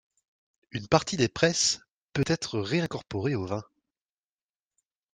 Une partie des presses peut être réincorporer au vin.